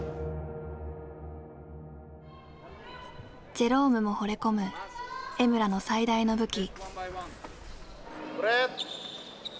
ジェロームもほれ込む江村の最大の武器。